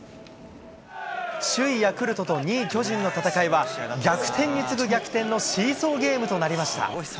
首位ヤクルトと２位巨人の戦いは、逆転に次ぐ逆転のシーソーゲームとなりました。